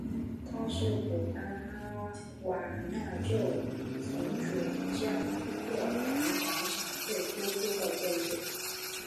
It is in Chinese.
它是古巴哈瓦那旧城主教座堂广场最突出的建筑。